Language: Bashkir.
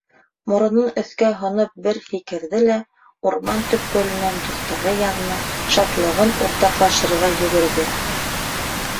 Моронон өҫкә һоноп бер һикерҙе лә, урман төпкөлөнә, дуҫтары янына, шатлығын уртаҡлашырға йүгерҙе.